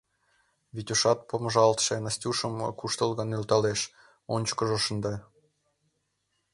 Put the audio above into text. Витюшат помыжалтше Настюшыжым куштылгын нӧлталеш, ончыкыжо шында.